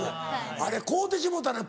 あれ買うてしもうたのよ